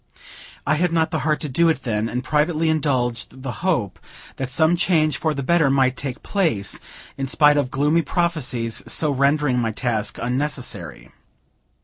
I had not the heart to do it then, and privately indulged the hope that some change for the better might take place, in spite of gloomy prophesies; so, rendering my task unnecessary.